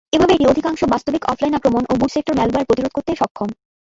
এভাবে এটি অধিকাংশ বাস্তবিক অফলাইন আক্রমণ ও বুট সেক্টর ম্যালওয়্যার প্রতিরোধ করতে সক্ষম।